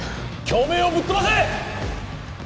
京明をぶっ飛ばせ！